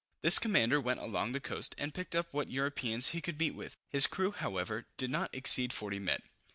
This commander went along the coast, and picked up what Europeans he could meet with. His crew, however, did not exceed 40 men.